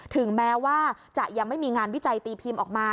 ถึงแม้ว่าจะยังไม่มีงานวิจัยตีพิมพ์ออกมา